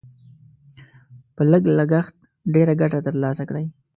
په لږ لګښت ډېره ګټه تر لاسه کړئ.